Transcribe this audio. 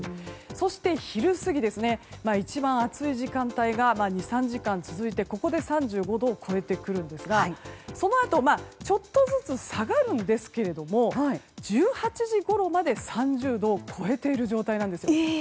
そして昼過ぎ、一番暑い時間帯が２３時間続いて、ここで３５度を超えてくるんですがそのあとちょっとずつ下がるんですが１８時ごろまで３０度を超えている状態です。